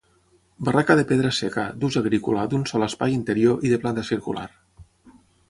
Barraca de pedra seca, d'ús agrícola, d'un sol espai interior i de planta circular.